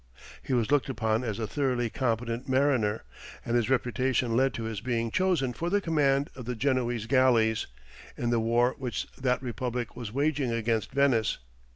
He was looked upon as a thoroughly competent mariner, and his reputation led to his being chosen for the command of the Genoese galleys, in the war which that Republic was waging against Venice.